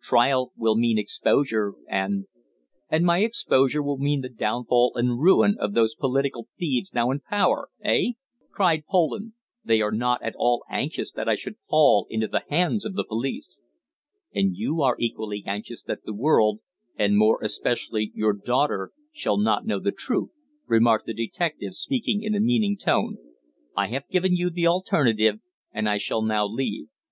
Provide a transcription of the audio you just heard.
Trial will mean exposure, and " "And my exposure will mean the downfall and ruin of those political thieves now in power eh?" cried Poland. "They are not at all anxious that I should fall into the hands of the police." "And you are equally anxious that the world and more especially your daughter shall not know the truth," remarked the detective, speaking in a meaning tone. "I have given you the alternative, and I shall now leave.